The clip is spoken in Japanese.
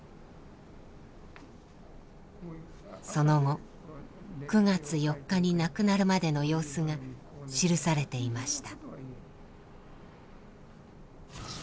その後９月４日に亡くなるまでの様子が記されていました。